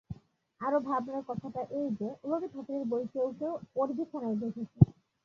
আরো ভাবনার কথাটা এই যে, রবি ঠাকুরের বই কেউ কেউ ওর বিছানায় দেখেছে।